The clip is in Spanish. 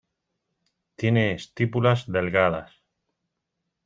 Tiene estípulas delgadas.